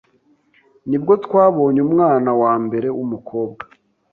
nibwo twabonye umwana wa mbere w’umukobwa